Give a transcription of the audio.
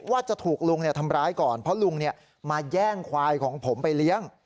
ว่าจะถูกลุงทำร้ายก่อนเพราะลุงมาแย่งควายของผมไปเลี้ยง